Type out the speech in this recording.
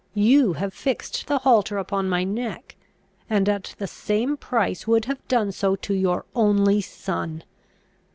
You have fixed the halter upon my neck, and at the same price would have done so to your only son!